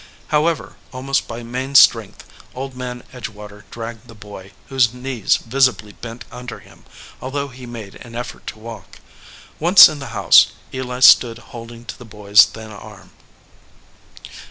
However, almost by main strength Old Man Edgewater dragged the boy, whose knees visibly bent under him, although he made an effort to walk. Once in the house, Eli stood holding to the boy s thin arm.